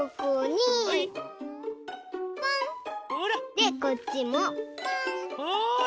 でこっちもポン！ほら！